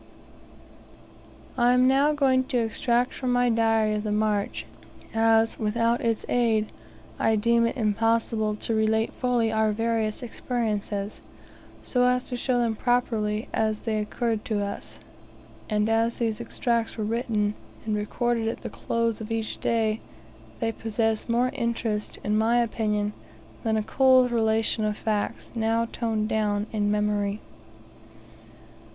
I am now going to extract from my Diary of the march, as, without its aid, I deem it impossible to relate fully our various experiences, so as to show them properly as they occurred to us; and as these extracts were written and recorded at the close of each day, they possess more interest, in my opinion, than a cold relation of facts, now toned down in memory.